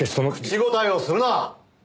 口ごたえをするな！